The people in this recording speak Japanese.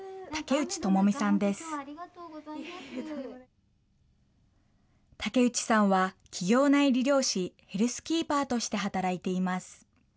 竹内さんは企業内理療士、ヘルスキーパーとして働いています。